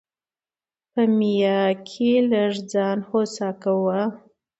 په ميان کي لږ ځان هوسا کوه!